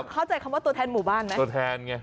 เข้าใจคำว่าตัวแทนหมู่บ้านไหม